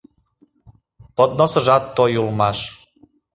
Подносыжат той улмаш.